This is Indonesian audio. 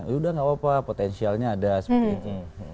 yaudah enggak apa apa potensialnya ada seperti itu